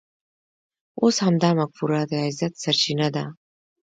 اوس همدا مفکوره د عزت سرچینه ده.